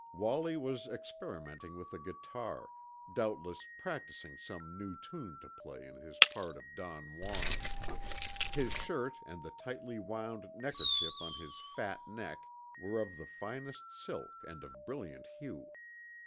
Wallie was experimenting with a guitar, doubtless practicing some new tune to play in his part of Don Juan. His shirt and the tightly wound neckerchief on his fat neck were of the finest silk and of brilliant hue.